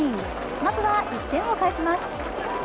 まずは１点を返します。